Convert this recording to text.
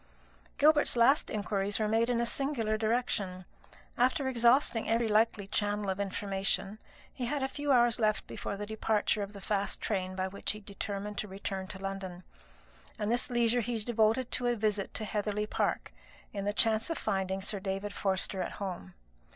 Gilbert's last inquiries were made in a singular direction. After exhausting every likely channel of information, he had a few hours left before the departure of the fast train by which he had determined to return to London; and this leisure he devoted to a visit to Heatherly Park, in the chance of finding Sir David Forster at home.